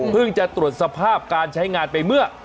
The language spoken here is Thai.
จะตรวจสภาพการใช้งานไปเมื่อ